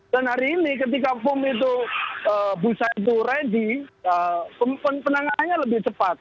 dan hari ini ketika foam itu busa itu ready penanganannya lebih cepat